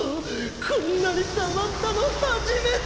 こんなにたまったの初めて！！